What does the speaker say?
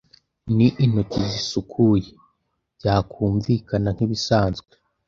ni intoki zisukuye - byakumvikana nk'ibisanzwe